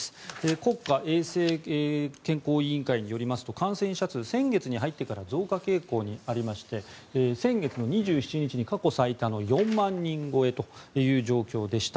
国家衛生健康委員会によりますと感染者数、先月に入ってから増加傾向にありまして先月２７日に過去最多の４万人超えという状況でした。